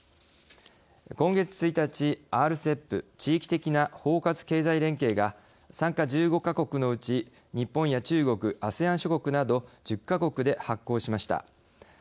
今月１日、ＲＣＥＰ＝地域的な包括経済連携が参加１５か国のうち日本や中国、アセアン諸国など１０か国で発効しました。